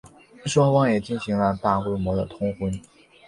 双方也进行了大规模的通婚。